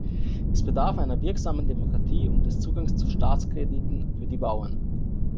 Es bedarf einer wirksamen Demokratie und des Zugangs zu Staatskrediten für die Bauern.